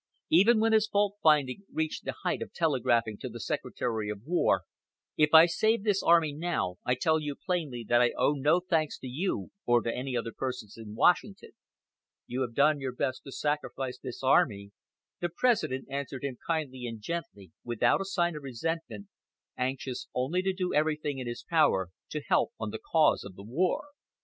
Even when his fault finding reached the height of telegraphing to the Secretary of War, "If I save this army now I tell you plainly that I owe no thanks to you or to any other persons in Washington. You have done your best to sacrifice this army," the President answered him kindly and gently, without a sign of resentment, anxious only to do everything in his power to help on the cause of the war.